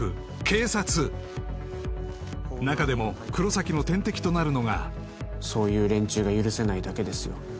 警察中でも黒崎の天敵となるのがそういう連中が許せないだけですよ